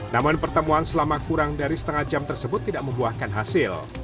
namun pertemuan selama kurang dari setengah jam tersebut tidak membuahkan hasil